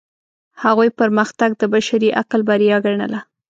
هغوی پرمختګ د بشري عقل بریا ګڼله.